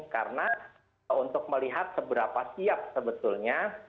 karena untuk melihat seberapa siap sebetulnya